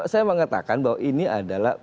saya mengatakan bahwa ini adalah